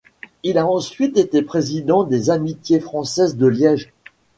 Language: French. Il a ensuite été président des Amitiés Françaises de Liège.